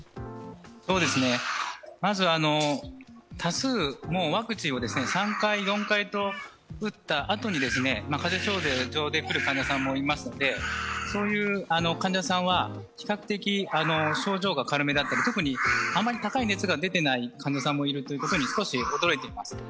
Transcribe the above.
まず、多数、ワクチンを３回、４回と打ったあとに風邪症状で来る患者さんもいますのでそういう患者さんは比較的症状が軽めだったり特にあまり高い熱が出ていない患者さんもいることに少し驚いています。